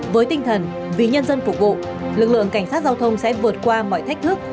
với tinh thần vì nhân dân phục vụ lực lượng cảnh sát giao thông sẽ vượt qua mọi thách thức